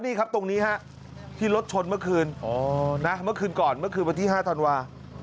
นี่ครับตรงนี้ฮะที่รถชนเมื่อคืนเมื่อคืนก่อนเมื่อคืนวันที่๕ธันวา